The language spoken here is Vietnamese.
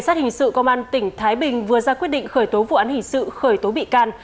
sát hình sự công an tỉnh thái bình vừa ra quyết định khởi tố vụ án hình sự khởi tố bị can